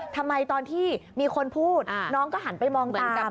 ทำไมตอนที่มีคนพูดน้องก็หันไปมองเหมือนกัน